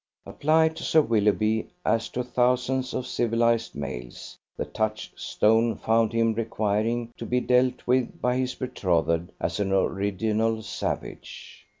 Applied to Sir Willoughby, as to thousands of civilized males, the touchstone found him requiring to be dealt with by his betrothed as an original savage.